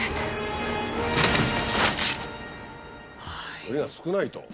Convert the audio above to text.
のりが少ないと。